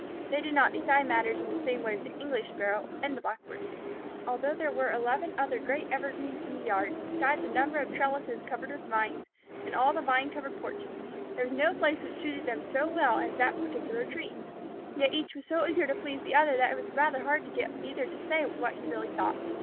They did not decide matters in the same way as the English Sparrow, and the Blackbirds. Although there were eleven other great evergreens in the yard, besides a number of trellises covered with vines, and all the vine covered porches, there was no place which suited them so well as that particular tree. Yet each was so eager to please the other that it was rather hard to get either to say what he really thought.